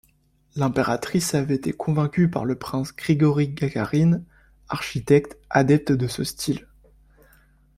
L'impératrice avait été convaincue par le prince Grigori Gagarine, architecte adepte de ce style.